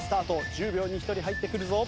１０秒に１人入ってくるぞ。